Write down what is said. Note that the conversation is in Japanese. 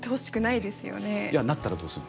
いやなったらどうする？